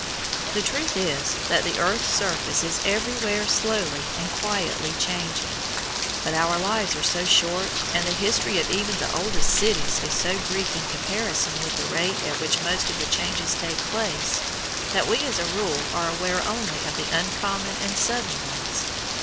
The truth is that the earth's surface is everywhere slowly and quietly changing; but our lives are so short, and the history of even the oldest cities is so brief in comparison with the rate at which most of the changes take place, that we as a rule are aware of only the uncommon and sudden ones.